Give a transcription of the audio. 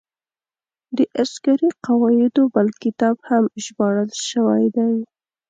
د عسکري قواعدو بل کتاب هم ژباړل شوی دی.